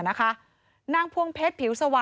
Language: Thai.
นางพวงเพชรผิวสว่าง